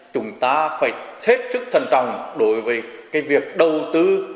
chúng ta phải thiết sức thân trọng đối với cái việc đầu tư